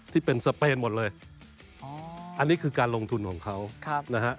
ที่เป็นสเปนหมดเลยอ๋ออันนี้คือการลงทุนของเขานะฮะ